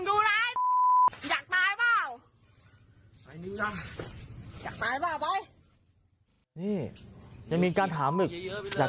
ก็ได้พลังเท่าไหร่ครับ